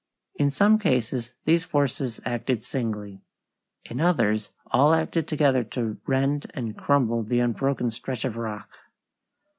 In some cases these forces acted singly; in others, all acted together to rend and crumble the unbroken stretch of rock.